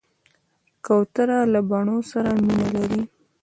کوتره له بڼو سره مینه لري.